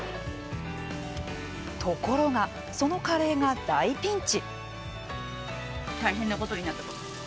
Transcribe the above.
ところが、そのカレーが大ピンチ。